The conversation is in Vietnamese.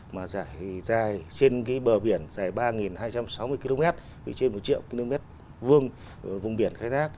mà giải dài trên cái bờ biển dài ba hai trăm sáu mươi km bị trên một triệu km vuông vùng biển khai thác